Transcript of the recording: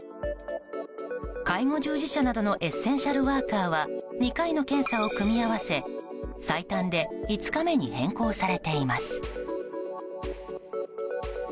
介護従事者などのエッセンシャルワーカーは２回の検査を組み合わせ、最短で５日目に変更されています。